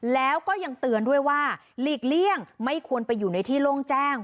แล้วก็ยังเตือนด้วยว่าหลีกเลี่ยงไม่ควรไปอยู่ในที่โล่งแจ้ง